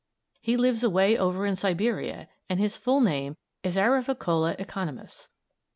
He lives away over in Siberia and his full name is Arvicola economus.